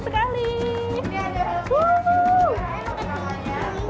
ini ada yang enak